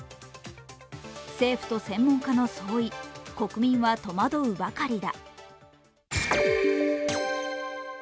政府と専門家の相違、国民は戸惑うばかりだ。